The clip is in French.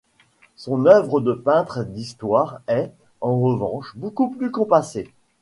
Son œuvre de peintre d'histoire est, en revanche, beaucoup plus compassée.